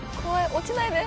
落ちないで！